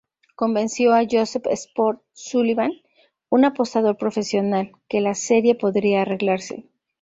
Convenció a Joseph "Sport" Sullivan, un apostador profesional, que la serie podría arreglarse.